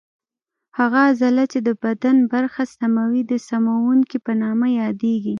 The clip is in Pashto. هغه عضله چې د بدن برخه سموي د سموونکې په نامه یادېږي.